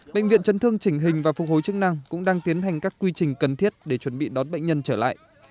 bệnh viện chấn thương chỉnh hình và phục hồi chức năng cũng đang tiến hành các quy trình cần thiết để chuẩn bị đón bệnh nhân trở lại